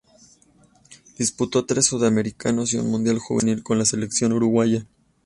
Disputó tres sudamericanos y un mundial juvenil con la selección uruguaya.